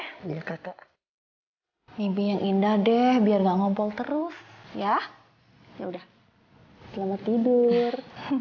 hai mimpi yang indah deh biar ngobrol terus ya ya udah selamat tidur